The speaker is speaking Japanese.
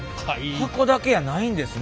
箱だけやないんですね。